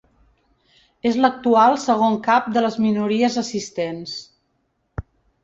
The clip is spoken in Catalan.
És l'actual segon cap de les minories assistents.